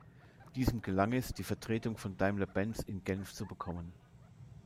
Diesem gelang es, die Vertretung von Daimler-Benz in Genf zu bekommen.